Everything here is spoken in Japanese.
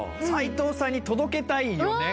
齊藤さんに届けたいね